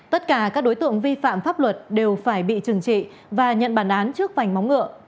tất cả các đối tượng vi phạm pháp luật đều phải bị trừng trị và nhận bản án trước vành móng ngựa